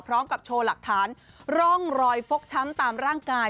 พร้อมกับโชว์หลักฐานร่องรอยฟกช้ำตามร่างกาย